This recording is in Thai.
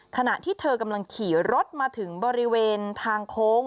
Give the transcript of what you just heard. ขณะที่เธอกำลังขี่รถมาถึงบริเวณทางโค้ง